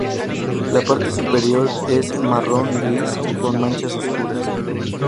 La parte superior es marrón-gris con manchas oscuras.